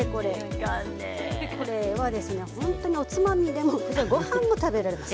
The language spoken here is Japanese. これは、おつまみでもごはんでも食べられます。